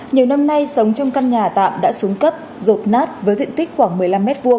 nhiều năm nay sống trong căn nhà tạm đã xuống cấp rột nát với diện tích khoảng một mươi năm m hai